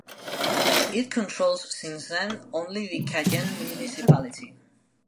It controls since then only the Cayenne municipality.